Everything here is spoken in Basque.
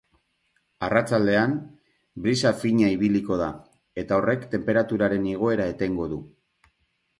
Arratsaldean, brisa fina ibiliko da, eta horrek tenperaturaren igoera etengo du.